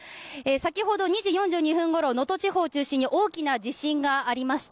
先ほど２時４２分ごろ能登地方を中心に大きな地震がありました。